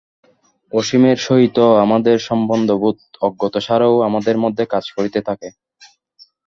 অসীমের সহিত আমাদের সম্বন্ধ-বোধ অজ্ঞাতসারেও আমাদের মধ্যে কাজ করিতে থাকে।